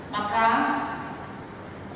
maka untuk bisa memicu